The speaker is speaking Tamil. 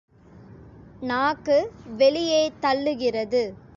நாக்கு வெளியே தள்ளுகிறது.